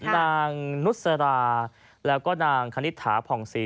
นางนุษราแล้วก็นางคณิตถาผ่องศรี